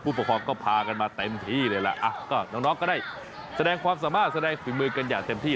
ประคองก็พากันมาเต็มที่เลยล่ะก็น้องก็ได้แสดงความสามารถแสดงฝีมือกันอย่างเต็มที่